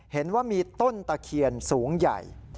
เห็นว่ามีต้นตะเคียนสูงใหญ่